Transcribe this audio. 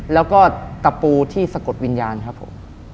แล้วก็ตะปูที่สะกดวิญญาณครับผม